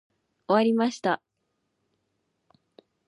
終わりました。